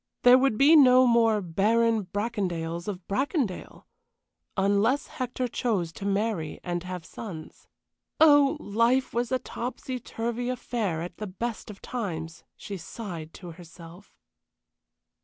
There would be no more Baron Bracondales of Bracondale, unless Hector chose to marry and have sons. Oh, life was a topsy turvy affair at the best of times, she sighed to herself.